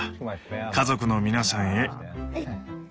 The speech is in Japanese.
「家族の皆さんへ」。